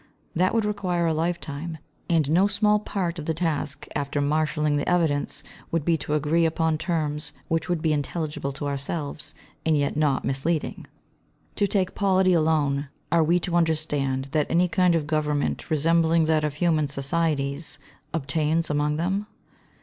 That would require a lifetime; and no small part of the task, after marshalling the evidence, would be to agree upon terms which would be intelligible to ourselves and yet not misleading. To take polity alone, are we to understand that any kind of Government resembling that of human societies obtains among them?